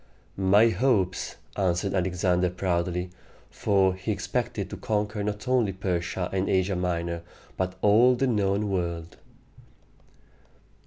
"My hopes!" answered Alexander proudly, for he expected to conquer not only Persia and Asia Minor, but all the known world.